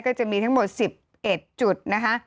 ก็จะมีทั้งหมด๑๑จุดนะคะ